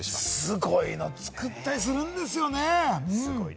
すごいの作ったりするんですよね。